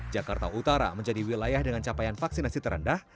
jakarta utara menjadi wilayah dengan capaian vaksinasi terendah